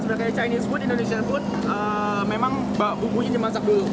seperti chinese food indonesian food memang bukunya dimasak dulu